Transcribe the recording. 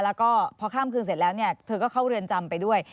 นื่อก้าพอข้ามคืนเสร็จแล้วเขาก็เข้าเตือนจำไปด้วย